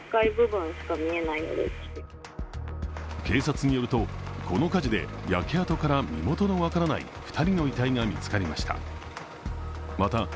警察によると、この火事で焼け跡から身元の分からない２人の遺体が見つかりました。